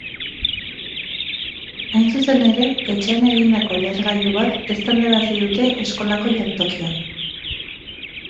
Hain zuzen ere, etxean egindako lehergailu bat eztandarazi dute eskolako jantokian.